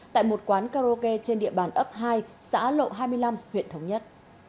tại một quán karaoke trên địa bàn ấp hai xã lộ hai mươi năm huyện thống nhất